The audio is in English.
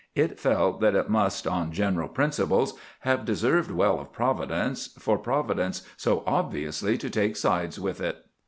It felt that it must, on general principles, have deserved well of Providence, for Providence so obviously to take sides with it.